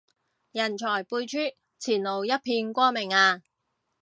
人才輩出，前路一片光明啊